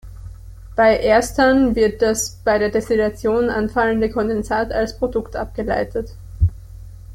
Bei ersteren wird das bei der Destillation anfallende Kondensat als Produkt abgeleitet.